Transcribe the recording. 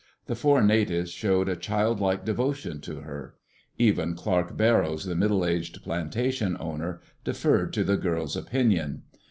The four natives showed a childlike devotion to her. Even Clarke Barrows, the middle aged plantation owner, deferred to the girl's opinion.